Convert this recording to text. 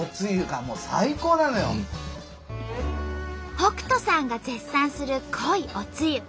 北斗さんが絶賛する濃いおつゆ。